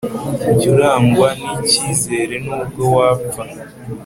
jya urangwa n icyizere nubwo wapfa